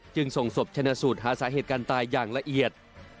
จึงส่งศพชนะสูตรหาสาเหตุการณ์ตายอย่างละเอียด